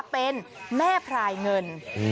เป็นแม่พรายเงิน